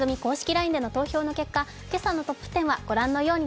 ＬＩＮＥでの投票の結果、今朝のトップ１０はこちらです。